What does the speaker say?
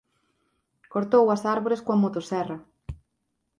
Cortou as árbores coa motoserra.